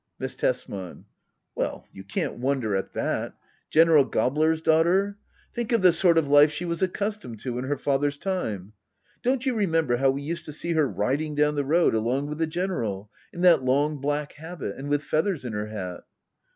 Miss Tesman. Well, you can't wonder at that — General Gabler's daughter ! Think of the sort of life she was accus tomed to in her father's time. Don't you remem ber how we used to see her riding down the road along with the General ? In that long black habit — and with feathers in her hat